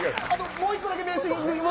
もう１個だけ、名シーン！